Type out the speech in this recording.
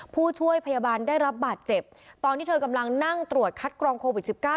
ผู้ช่วยพยาบาลได้รับบาดเจ็บตอนที่เธอกำลังนั่งตรวจคัดกรองโควิดสิบเก้า